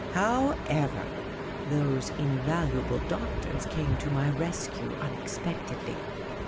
However, those invaluable doctors came to my rescue un expectedly.